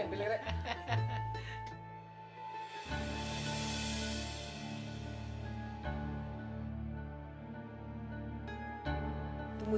mau aja deh nge